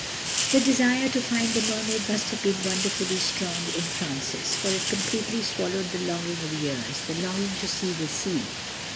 This desire to find the Mermaid must have been wonderfully strong in Francis, for it completely swallowed the longing of years—the longing to see the sea.